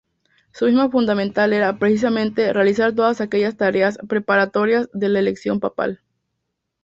Su misión fundamental era, precisamente, realizar todas aquellas tareas preparatorias de la elección papal.